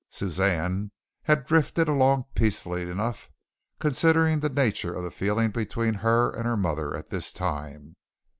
Suzanne had drifted along peacefully enough considering the nature of the feeling between her and her mother at this time.